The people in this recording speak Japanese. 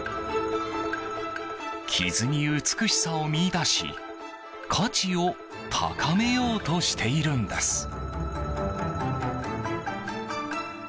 傷に美しさを見いだし、価値を高めようとしているんです。